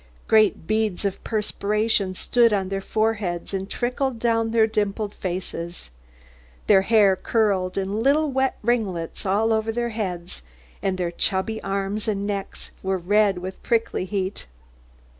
Great beads of perspiration stood on their foreheads and trickled down their dimpled faces. Their hair curled in little wet rings all over their heads, and their chubby arms and necks were red with prickly heat.